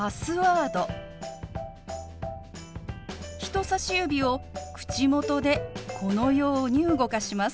人さし指を口元でこのように動かします。